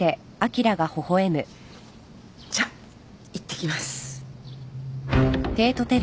じゃいってきます。